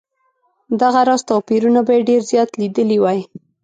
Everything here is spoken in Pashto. دغه راز توپیرونه به یې ډېر زیات لیدلي وای.